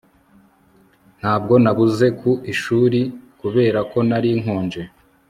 Ntabwo nabuze ku ishuri kubera ko nari nkonje